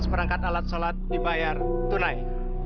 seperangkat alat sholat dibayar tunai